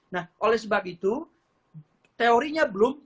nah oleh sebab itu teorinya belum